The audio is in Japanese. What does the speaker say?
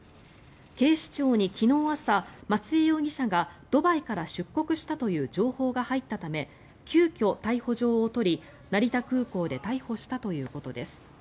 警視庁に昨日朝、松江容疑者がドバイから出国したという情報が入ったため急きょ、逮捕状を取り成田空港で逮捕したということです。